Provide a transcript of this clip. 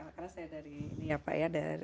karena saya dari ini ya pak ya